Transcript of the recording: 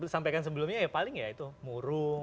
sampaikan sebelumnya ya paling ya itu murung